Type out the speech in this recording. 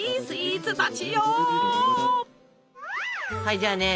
はいじゃあね